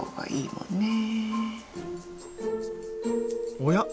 おや？